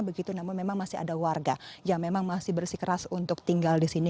begitu namun memang masih ada warga yang memang masih bersikeras untuk tinggal di sini